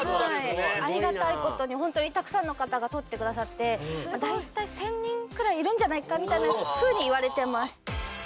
ありがたいことに本当にたくさんの方が撮ってくださっているんじゃないかみたいなふうにいわれてます